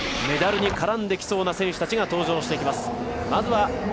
メダルに絡んできそうな選手が登場します。